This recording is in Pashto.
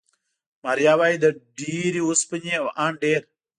ماریا وايي، د ډېرې اوسپنې او ان ډېر